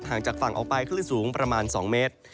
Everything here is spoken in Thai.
จากฝั่งออกไปคลื่นสูงประมาณ๒เมตร